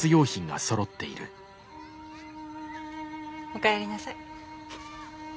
おかえりなさい。